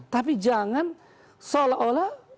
tapi jangan seolah olah